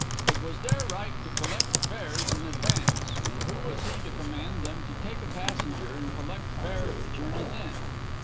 It was their right to collect fares in advance, and who was he to command them to take a passenger and collect fare at the journey's end?